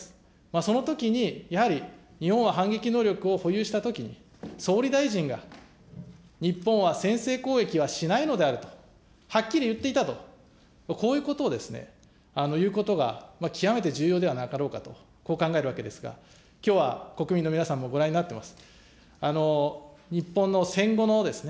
そのときにやはり日本は反撃能力を保有したときに、総理大臣が、日本は先制攻撃はしないのであるとはっきり言っていたと、こういうことを言うことが極めて重要ではなかろうかと、こう考えるわけですが、きょうは国民の皆さんもご覧になってます。